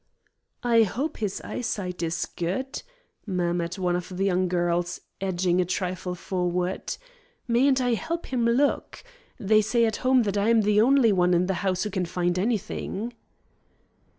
"I hope his eyesight is good," murmured one of the young girls, edging a trifle forward. "Mayn't I help him look? They say at home that I am the only one in the house who can find anything."